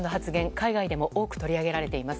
海外でも多く取り上げられています。